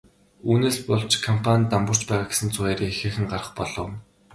Үүнээс болж компани нь дампуурч байгаа гэсэн цуу яриа ихээхэн гарах болов.